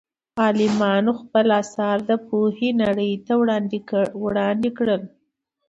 عالمانو خپل اثار د پوهې نړۍ ته وړاندې کړل.